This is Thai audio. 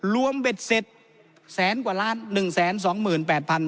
รวมเบ็ดเสร็จแสนกว่าล้านหนึ่งแสนสองหมื่นแปดพัน